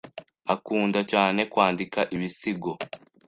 Akunda cyane kwandika ibisigo.